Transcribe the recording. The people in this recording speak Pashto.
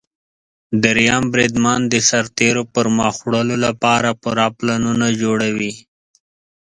دریم بریدمن د سرتیرو د پرمخ وړلو لپاره پوره پلانونه جوړوي.